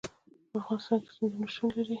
په افغانستان کې سیندونه شتون لري.